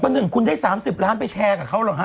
หนึ่งคุณได้๓๐ล้านไปแชร์กับเขาเหรอฮะ